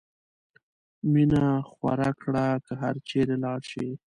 مینه خوره کړه که هر چېرې لاړ شې.